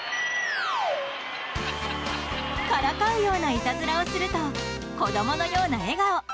からかうようないたずらをすると子供のような笑顔。